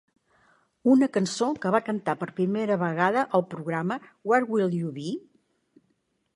Una cançó que va cantar per primera vegada al programa, Where Will You Be?